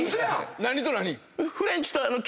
何と何？